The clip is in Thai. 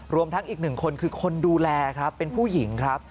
รวมทั้งอีก๑คนคือคนดูแลเป็นผู้หญิงครับ